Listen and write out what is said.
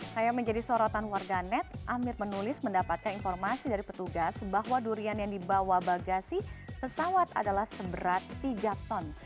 hanya menjadi sorotan warga net amir menulis mendapatkan informasi dari petugas bahwa durian yang dibawa bagasi pesawat adalah seberat tiga ton